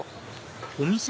お店？